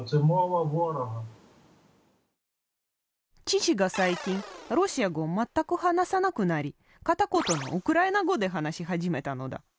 父が最近ロシア語を全く話さなくなり片言のウクライナ語で話し始めたのだ。